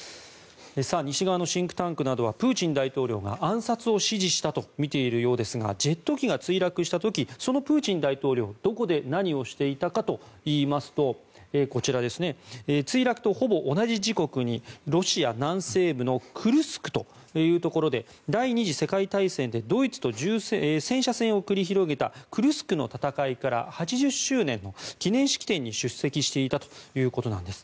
西側のシンクタンクなどはプーチン大統領が暗殺を指示したとみているようですがジェット機が墜落した時そのプーチン大統領はどこで何をしていたかといいますとこちら、墜落とほぼ同じ時刻にロシア南西部のクルスクというところで第２次世界大戦でドイツと戦車戦を繰り広げたクルスクの戦いから８０周年の記念式典に出席していたということです。